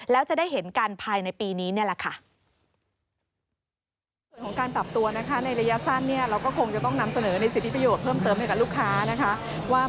แล้วจะได้เห็นกันภายในปีนี้นี่แหละค่ะ